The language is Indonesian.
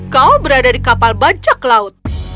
kau berada di kapal bancak laut